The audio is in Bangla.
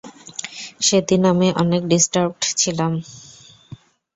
সেদিন আমি অনেক ডিস্টার্বড ছিলাম।